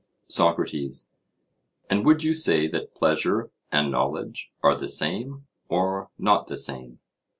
SOCRATES: And would you say that pleasure and knowledge are the same, or not the same?